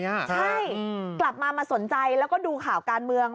ใช่กลับมามาสนใจแล้วก็ดูข่าวการเมือง